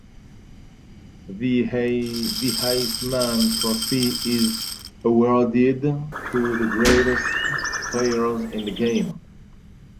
The Heisman Trophy is awarded to the greatest players in the game.